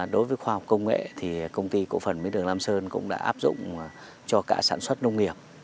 đối với khoa học công nghệ thì công ty cổ phần mía đường lam sơn cũng đã áp dụng cho cả sản xuất nông nghiệp